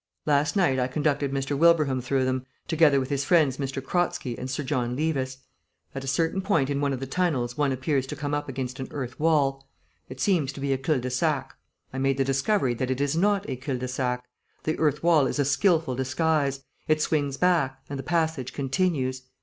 Last night I conducted Mr. Wilbraham through them, together with his friends M. Kratzky and Sir John Levis. At a certain point in one of the tunnels one appears to come up against an earth wall; it seems to be a cul de sac. I made the discovery that it is not a cul de sac. The earth wall is a skilful disguise; it swings back, and the passage continues.